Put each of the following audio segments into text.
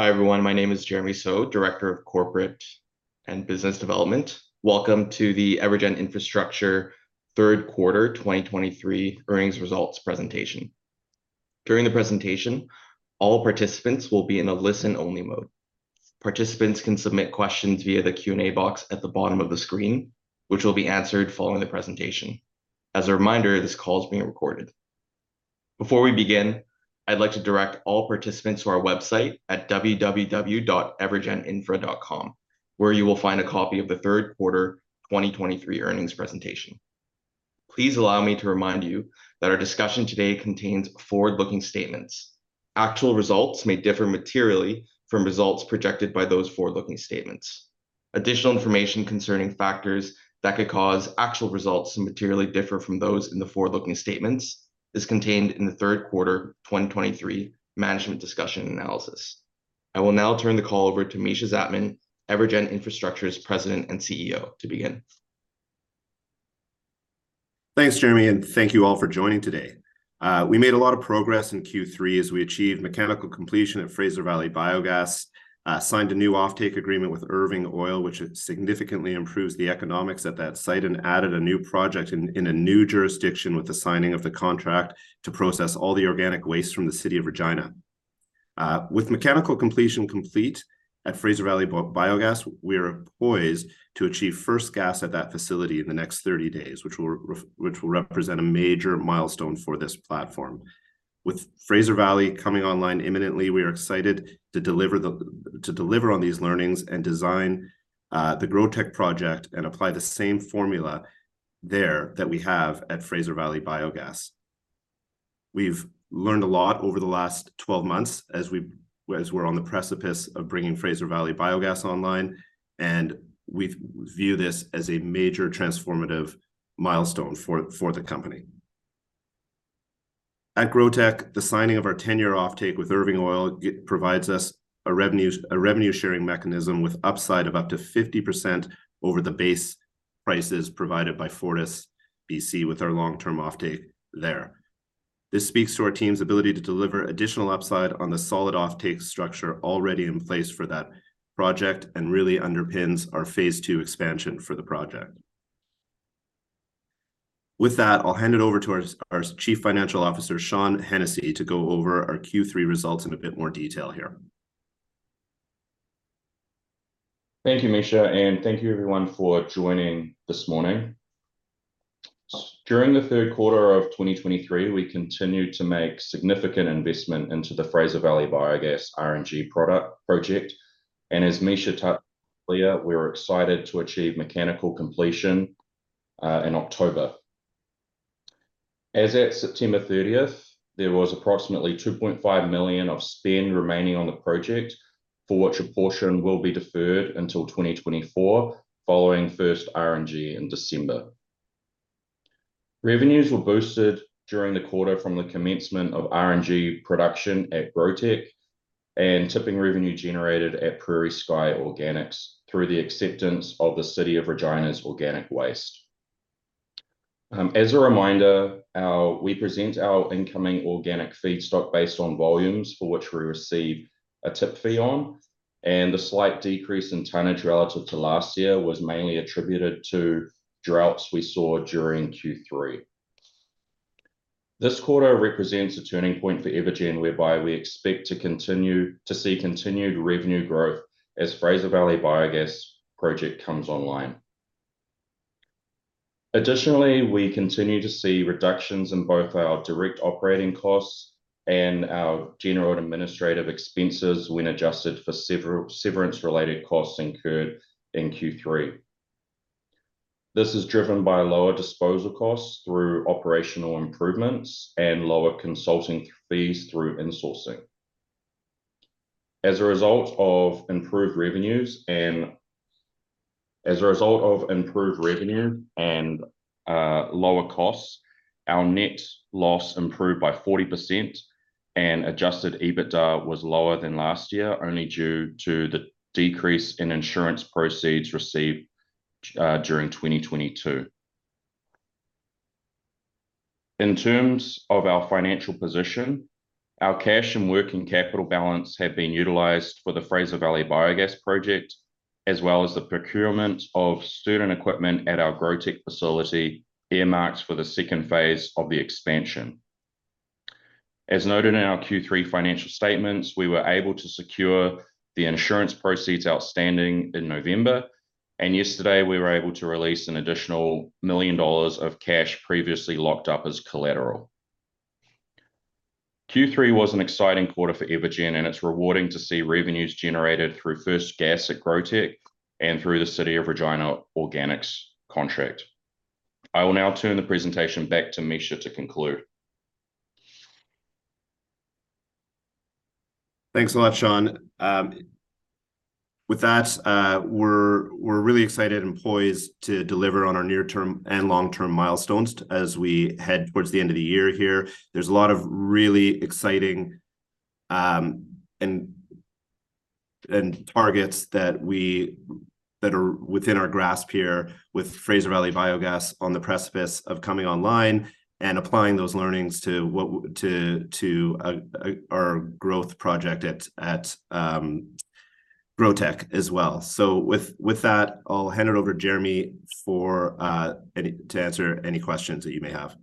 Hi, everyone. My name is Jeremy So, Director of Corporate and Business Development. Welcome to the EverGen Infrastructure third quarter 2023 earnings results presentation. During the presentation, all participants will be in a listen-only mode. Participants can submit questions via the Q&A box at the bottom of the screen, which will be answered following the presentation. As a reminder, this call is being recorded. Before we begin, I'd like to direct all participants to our website at www.evergeninfra.com, where you will find a copy of the third quarter 2023 earnings presentation. Please allow me to remind you that our discussion today contains forward-looking statements. Actual results may differ materially from results projected by those forward-looking statements. Additional information concerning factors that could cause actual results to materially differ from those in the forward-looking statements is contained in the third quarter 2023 Management Discussion and Analysis. I will now turn the call over to Mischa Zajtmann, EverGen Infrastructure's President and CEO, to begin. Thanks, Jeremy, and thank you all for joining today. We made a lot of progress in Q3 as we achieved mechanical completion at Fraser Valley Biogas, signed a new offtake agreement with Irving Oil, which significantly improves the economics at that site, and added a new project in a new jurisdiction with the signing of the contract to process all the organic waste from the City of Regina. With mechanical completion complete at Fraser Valley Biogas, we are poised to achieve first gas at that facility in the next 30 days, which will represent a major milestone for this platform. With Fraser Valley coming online imminently, we are excited to deliver on these learnings and design the GrowTEC project and apply the same formula there that we have at Fraser Valley Biogas. We've learned a lot over the last 12 months, as we're on the precipice of bringing Fraser Valley Biogas online, and we view this as a major transformative milestone for the company. At GrowTEC, the signing of our 10-year offtake with Irving Oil provides us a revenue-sharing mechanism with upside of up to 50% over the base prices provided by FortisBC, with our long-term offtake there. This speaks to our team's ability to deliver additional upside on the solid offtake structure already in place for that project and really underpins our phase two expansion for the project. With that, I'll hand it over to our Chief Financial Officer, Sean Hennessy, to go over our Q3 results in a bit more detail here. Thank you, Mischa, and thank you everyone for joining this morning. During the third quarter of 2023, we continued to make significant investment into the Fraser Valley Biogas RNG product project, and as Mischa touched earlier, we were excited to achieve mechanical completion in October. As at September 30, there was approximately 2.5 million of spend remaining on the project, for which a portion will be deferred until 2024, following first RNG in December. Revenues were boosted during the quarter from the commencement of RNG production at GrowTEC and tipping revenue generated at Prairie Sky Organics through the acceptance of the City of Regina's organic waste. As a reminder, we present our incoming organic feedstock based on volumes for which we receive a tipping fee on, and the slight decrease in tonnage relative to last year was mainly attributed to droughts we saw during Q3. This quarter represents a turning point for EverGen, whereby we expect to continue to see continued revenue growth as Fraser Valley Biogas project comes online. Additionally, we continue to see reductions in both our direct operating costs and our general and administrative expenses when adjusted for severance-related costs incurred in Q3. This is driven by lower disposal costs through operational improvements and lower consulting fees through insourcing. As a result of improved revenues and... As a result of improved revenue and lower costs, our net loss improved by 40%, and Adjusted EBITDA was lower than last year, only due to the decrease in insurance proceeds received during 2022. In terms of our financial position, our cash and working capital balance have been utilized for the Fraser Valley Biogas project, as well as the procurement of student equipment at our GrowTEC facility, earmarked for the second phase of the expansion. As noted in our Q3 financial statements, we were able to secure the insurance proceeds outstanding in November, and yesterday, we were able to release an additional 1 million dollars of cash previously locked up as collateral. Q3 was an exciting quarter for EverGen, and it's rewarding to see revenues generated through first gas at GrowTEC and through the City of Regina organics contract. I will now turn the presentation back to Mischa to conclude. Thanks a lot, Sean. With that, we're really excited and poised to deliver on our near-term and long-term milestones as we head towards the end of the year here. There's a lot of really exciting and targets that are within our grasp here with Fraser Valley Biogas on the precipice of coming online, and applying those learnings to our growth project at GrowTEC as well. So with that, I'll hand it over to Jeremy to answer any questions that you may have.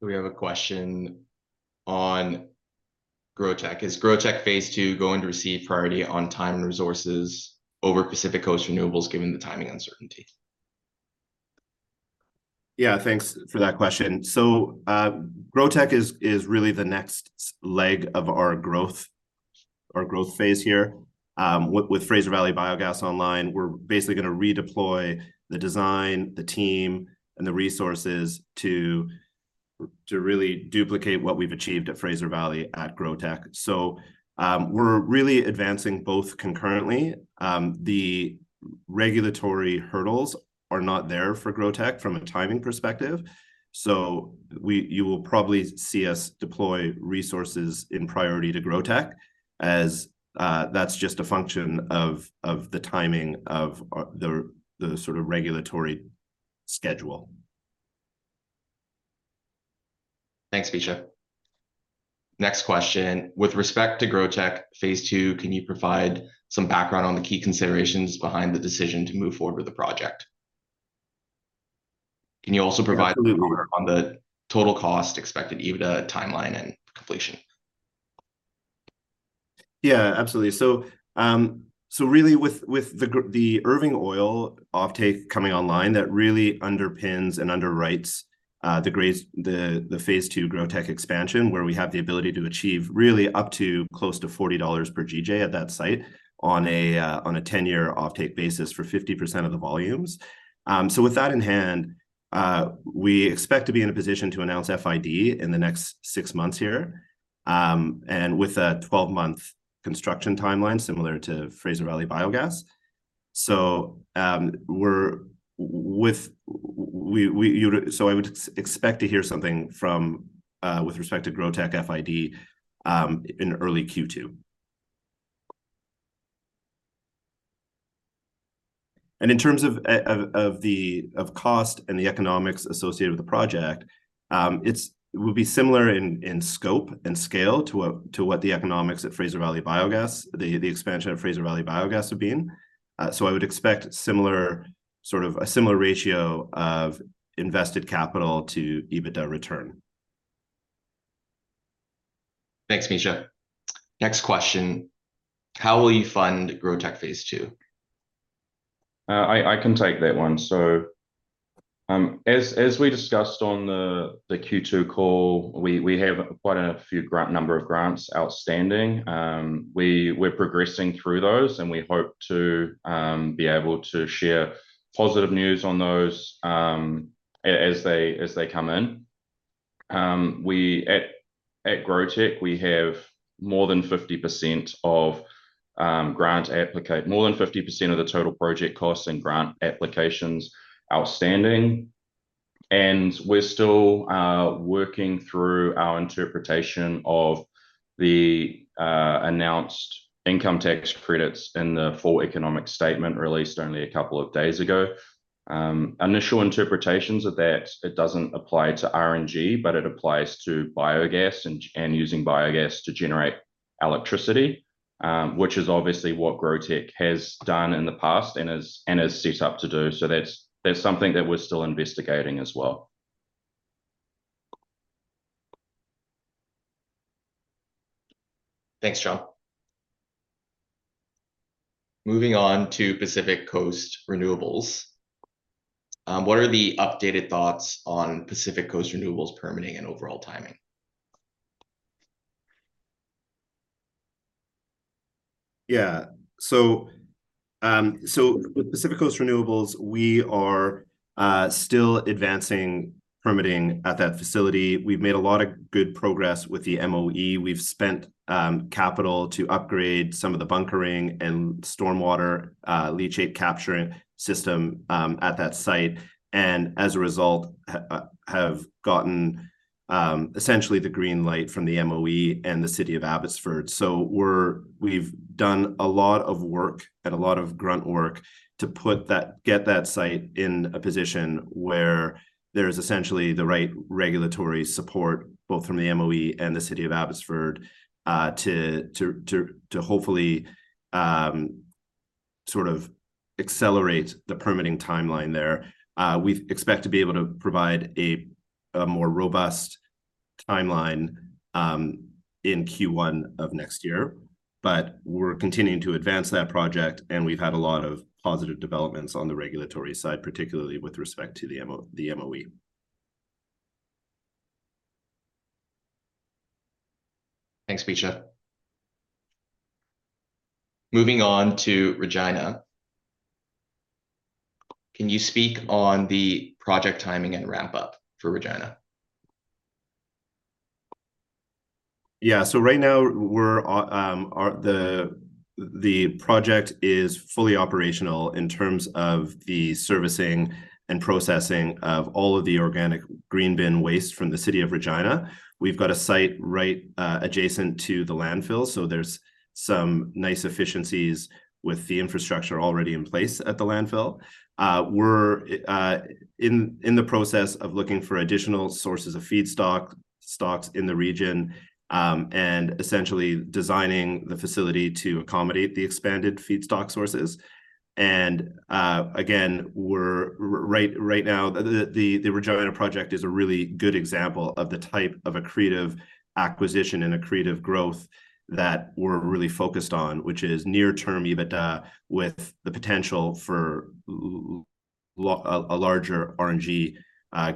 We have a question on GrowTEC. Is GrowTEC Phase 2 going to receive priority on time and resources over Pacific Coast Renewables, given the timing uncertainty? Yeah, thanks for that question. So, GrowTEC is really the next leg of our growth, our growth phase here. With Fraser Valley Biogas online, we're basically gonna redeploy the design, the team, and the resources to really duplicate what we've achieved at Fraser Valley at GrowTEC. So, we're really advancing both concurrently. The regulatory hurdles are not there for GrowTEC from a timing perspective, so you will probably see us deploy resources in priority to GrowTEC, as that's just a function of the timing of the sort of regulatory schedule. Thanks, Mischa. Next question: with respect to GrowTEC Phase 2, can you provide some background on the key considerations behind the decision to move forward with the project? Can you also provide- Absolutely... on the total cost, expected EBITDA timeline, and completion? Yeah, absolutely. So really with the Irving Oil offtake coming online, that really underpins and underwrites the Phase 2 GrowTEC expansion, where we have the ability to achieve really up to close to 40 dollars per GJ at that site on a 10-year offtake basis for 50% of the volumes. So with that in hand, we expect to be in a position to announce FID in the next six months here. And with a 12-month construction timeline, similar to Fraser Valley Biogas. So we're with, we, you, so I would expect to hear something from with respect to GrowTEC FID in early Q2. In terms of the cost and the economics associated with the project, it would be similar in scope and scale to what the economics at Fraser Valley Biogas, the expansion of Fraser Valley Biogas have been. So I would expect similar, sort of, a similar ratio of invested capital to EBITDA return. Thanks, Mischa. Next question: How will you fund GrowTEC Phase 2? I can take that one. So, as we discussed on the Q2 call, we have quite a few, a number of grants outstanding. We're progressing through those, and we hope to be able to share positive news on those as they come in. At GrowTEC, we have more than 50% of the total project costs in grant applications outstanding. And we're still working through our interpretation of the announced income tax credits in the full economic statement released only a couple of days ago. Initial interpretations are that it doesn't apply to RNG, but it applies to biogas and using biogas to generate electricity, which is obviously what GrowTEC has done in the past, and is, and is set up to do. So that's, that's something that we're still investigating as well. Thanks, John. Moving on to Pacific Coast Renewables. What are the updated thoughts on Pacific Coast Renewables permitting and overall timing? Yeah. So with Pacific Coast Renewables, we are still advancing permitting at that facility. We've made a lot of good progress with the MOE. We've spent capital to upgrade some of the bunkering and stormwater leachate capturing system at that site, and as a result, have gotten essentially the green light from the MOE and the City of Abbotsford. So we've done a lot of work and a lot of grunt work to get that site in a position where there is essentially the right regulatory support, both from the MOE and the City of Abbotsford, to hopefully sort of accelerate the permitting timeline there. We expect to be able to provide a more robust timeline in Q1 of next year, but we're continuing to advance that project, and we've had a lot of positive developments on the regulatory side, particularly with respect to the MOE. Thanks, Mischa. Moving on to Regina. Can you speak on the project timing and ramp up for Regina? ... Yeah, so right now we're on our project is fully operational in terms of the servicing and processing of all of the organic green bin waste from the city of Regina. We've got a site right adjacent to the landfill, so there's some nice efficiencies with the infrastructure already in place at the landfill. We're in the process of looking for additional sources of feedstock in the region and essentially designing the facility to accommodate the expanded feedstock sources. And again, right now the Regina project is a really good example of the type of accretive acquisition and accretive growth that we're really focused on, which is near-term EBITDA, with the potential for a larger RNG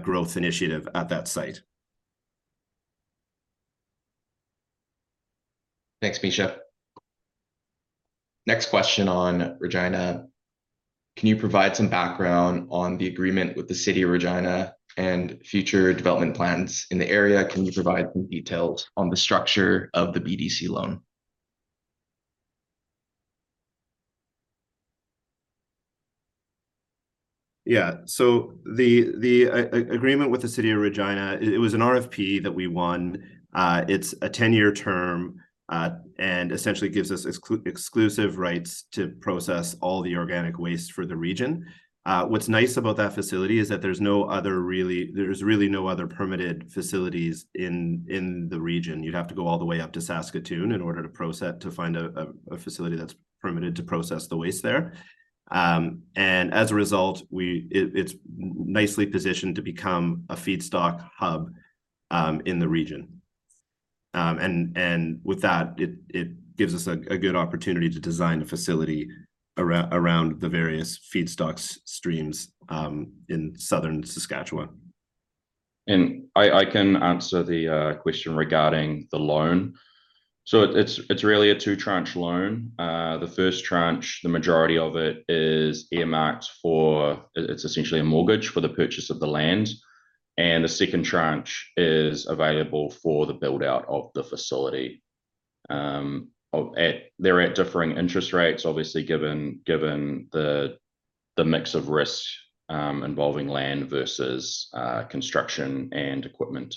growth initiative at that site. Thanks, Mischa. Next question on Regina: Can you provide some background on the agreement with the City of Regina and future development plans in the area? Can you provide some details on the structure of the BDC loan? Yeah. So the agreement with the City of Regina, it was an RFP that we won. It's a 10-year term, and essentially gives us exclusive rights to process all the organic waste for the region. What's nice about that facility is that there's really no other permitted facilities in the region. You'd have to go all the way up to Saskatoon in order to process, to find a facility that's permitted to process the waste there. And as a result, it's nicely positioned to become a feedstock hub in the region. And with that, it gives us a good opportunity to design a facility around the various feedstocks streams in southern Saskatchewan. I can answer the question regarding the loan. So it's really a two-tranche loan. The first tranche, the majority of it is earmarked for... It's essentially a mortgage for the purchase of the land, and the second tranche is available for the build-out of the facility. They're at differing interest rates, obviously, given the mix of risk involving land versus construction and equipment.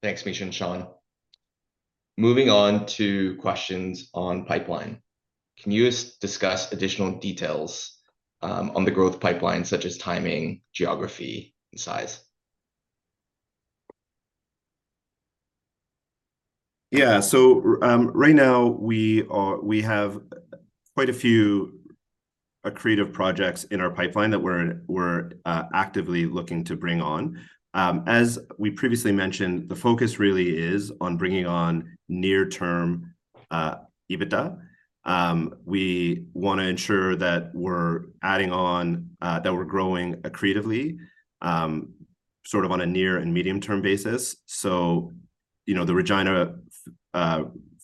Thanks, Mischa and Sean. Moving on to questions on pipeline. Can you just discuss additional details on the growth pipeline, such as timing, geography, and size? Yeah. So, right now we have quite a few accretive projects in our pipeline that we're actively looking to bring on. As we previously mentioned, the focus really is on bringing on near-term EBITDA. We want to ensure that we're adding on that we're growing accretively sort of on a near and medium-term basis. So, you know, the Regina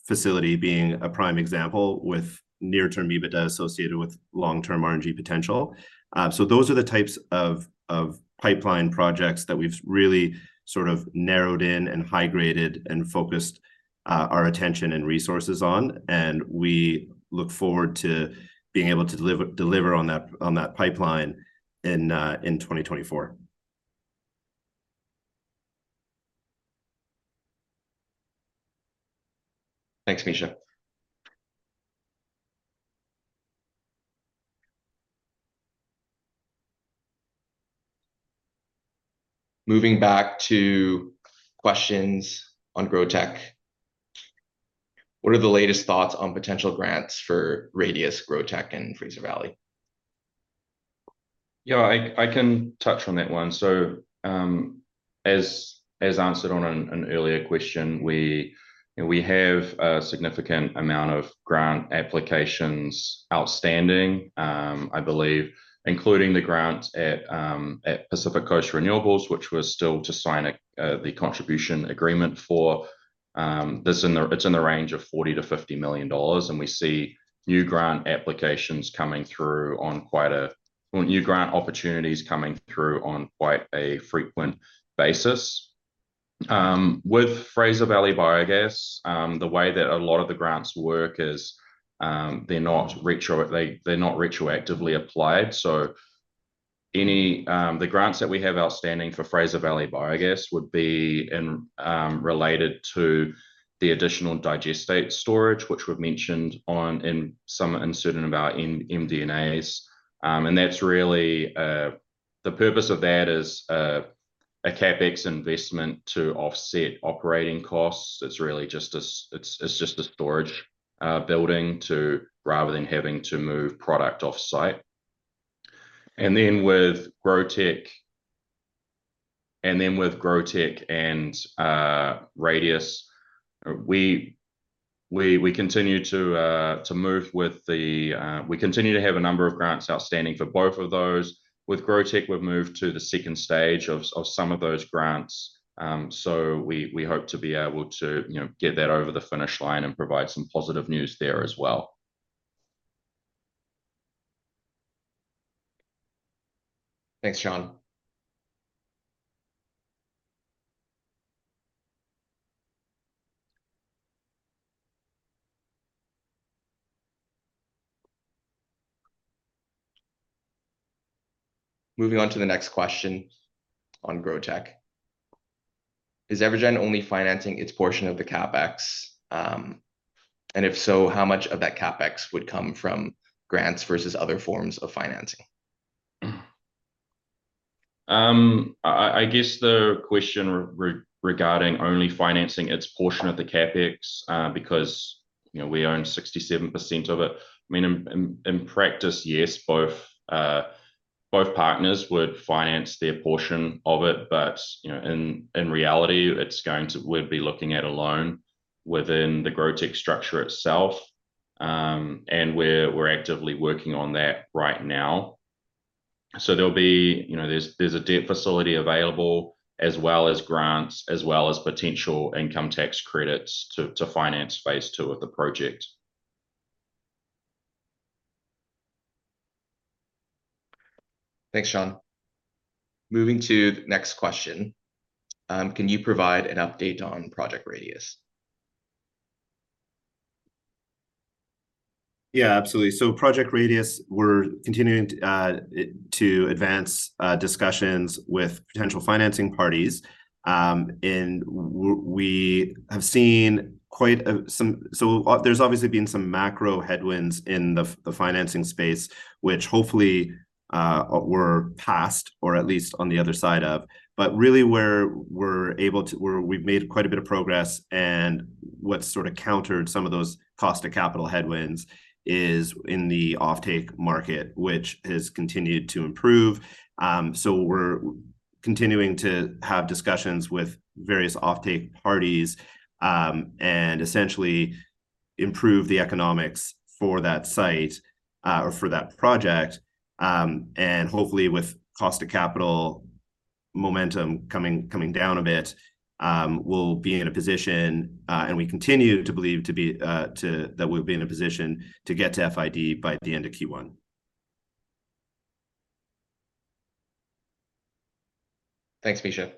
facility being a prime example, with near-term EBITDA associated with long-term RNG potential. So those are the types of pipeline projects that we've really sort of narrowed in, and high-graded, and focused our attention and resources on, and we look forward to being able to deliver on that pipeline in 2024. Thanks, Mischa. Moving back to questions on GrowTEC. What are the latest thoughts on potential grants for Radius, GrowTEC, and Fraser Valley? Yeah, I can touch on that one. So, as answered on an earlier question, you know, we have a significant amount of grant applications outstanding, I believe, including the grant at Pacific Coast Renewables, which we're still to sign the contribution agreement for. That's in the range of 40 million-50 million dollars, and we see, well, new grant opportunities coming through on quite a frequent basis. With Fraser Valley Biogas, the way that a lot of the grants work is, they're not retroactively applied, so the grants that we have outstanding for Fraser Valley Biogas would be related to the additional digestate storage, which we've mentioned in certain of our MD&As. And that's really the purpose of that is a CapEx investment to offset operating costs. It's really just a storage building to, rather than having to move product off-site. And then with GrowTEC, and then with GrowTEC and Radius, we continue to move with the... We continue to have a number of grants outstanding for both of those. With GrowTEC, we've moved to the second stage of some of those grants. So we hope to be able to, you know, get that over the finish line and provide some positive news there as well.... Thanks, Sean. Moving on to the next question on GrowTEC. Is EverGen only financing its portion of the CapEx? And if so, how much of that CapEx would come from grants versus other forms of financing? I guess the question regarding only financing its portion of the CapEx, because, you know, we own 67% of it. I mean, in practice, yes, both partners would finance their portion of it, but, you know, in reality, it's going to, we'd be looking at a loan within the GrowTEC structure itself. And we're actively working on that right now. So there'll be, you know, there's a debt facility available, as well as grants, as well as potential income tax credits to finance phase two of the project. Thanks, Sean. Moving to the next question. Can you provide an update on Project Radius? Yeah, absolutely. So Project Radius, we're continuing to advance discussions with potential financing parties. And we have seen quite some... So there's obviously been some macro headwinds in the financing space, which hopefully were passed, or at least on the other side of. But really where we're able to, where we've made quite a bit of progress and what's sort of countered some of those cost of capital headwinds is in the offtake market, which has continued to improve. So we're continuing to have discussions with various offtake parties, and essentially improve the economics for that site, or for that project. And hopefully, with cost of capital momentum coming down a bit, we'll be in a position, and we continue to believe to be, to... That we'll be in a position to get to FID by the end of Q1. Thanks, Mischa.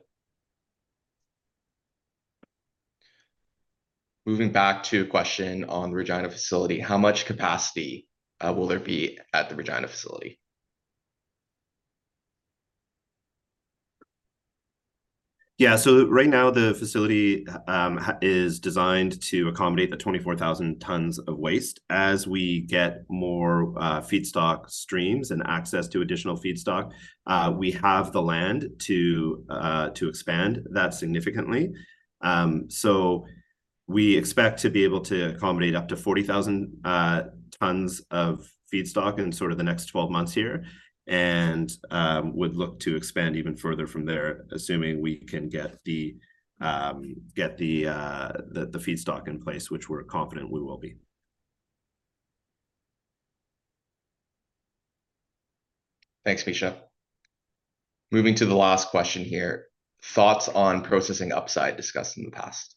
Moving back to a question on Regina facility. How much capacity will there be at the Regina facility? Yeah. So right now, the facility is designed to accommodate the 24,000 tons of waste. As we get more feedstock streams and access to additional feedstock, we have the land to expand that significantly. So we expect to be able to accommodate up to 40,000 tons of feedstock in sort of the next 12 months here, and would look to expand even further from there, assuming we can get the feedstock in place, which we're confident we will be. Thanks, Mischa. Moving to the last question here. Thoughts on processing upside discussed in the past?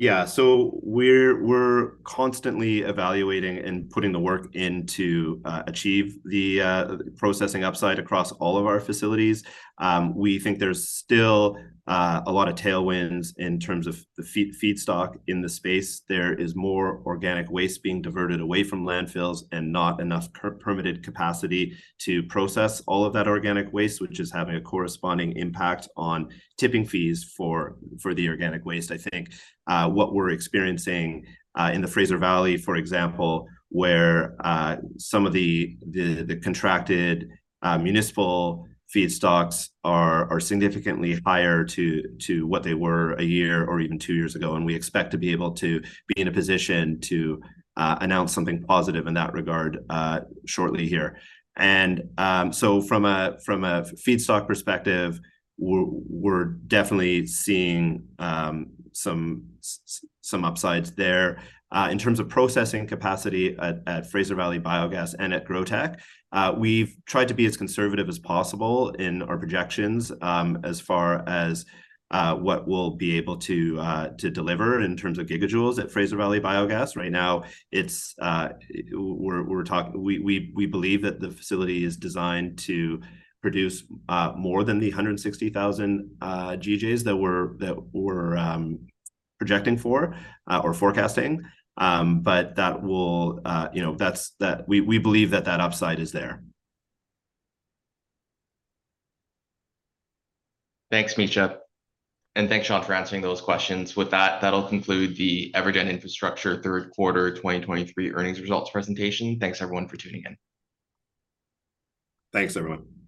Yeah. So we're, we're constantly evaluating and putting the work in to achieve the processing upside across all of our facilities. We think there's still a lot of tailwinds in terms of the feedstock in the space. There is more organic waste being diverted away from landfills and not enough permitted capacity to process all of that organic waste, which is having a corresponding impact on tipping fees for the organic waste. I think what we're experiencing in the Fraser Valley, for example, where some of the contracted municipal feedstocks are significantly higher to what they were a year or even two years ago, and we expect to be able to be in a position to announce something positive in that regard shortly here. So from a feedstock perspective, we're definitely seeing some upsides there. In terms of processing capacity at Fraser Valley Biogas and at GrowTEC, we've tried to be as conservative as possible in our projections as far as what we'll be able to deliver in terms of gigajoules at Fraser Valley Biogas. Right now, we believe that the facility is designed to produce more than 160,000 GJs that we're projecting for or forecasting. But that will, you know, that's that. We believe that that upside is there. Thanks, Mischa, and thanks, Sean, for answering those questions. With that, that'll conclude the EverGen Infrastructure third quarter 2023 earnings results presentation. Thanks, everyone, for tuning in. Thanks, everyone.